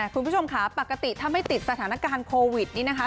คุณผู้ชมค่ะปกติถ้าไม่ติดสถานการณ์โควิดนี่นะคะ